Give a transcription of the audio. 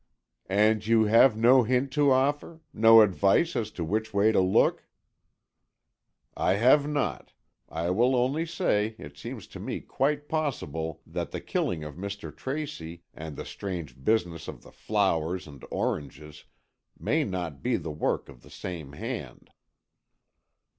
"And you have no hint to offer? No advice as to which way to look?" "I have not. I will only say, it seems to me quite possible that the killing of Mr. Tracy and the strange business of the flowers and oranges may not be the work of the same hand."